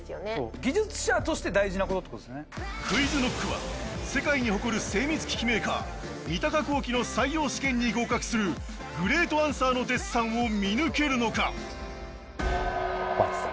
ＱｕｉｚＫｎｏｃｋは世界に誇る精密機器メーカー三鷹光器の採用試験に合格するグレートアンサーのデッサンを見抜けるのか？